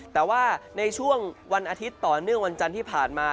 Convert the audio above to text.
แต่ว่าในช่วงวันอาทิตย์ต่อเนื่องวันจันทร์ที่ผ่านมา